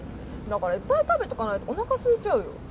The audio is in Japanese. だからいっぱい食べとかないとおなかすいちゃうよ。